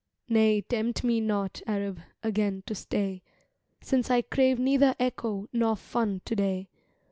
Nay, tempt me not, Arab, again to stay; Since I crave neither Echo nor Fun to day.